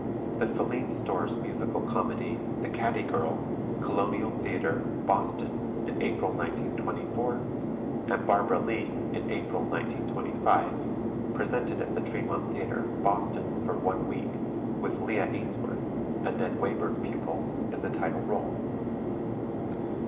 The Filene Store's musical comedy, "The Caddie Girl," Colonial Theatre, Boston, in April, 1924, and "Barbara Lee," in April, 1925, presented at the Tremont Theatre, Boston, for one week, with Leah Ainsworth, a Ned Wayburn pupil, in the title role.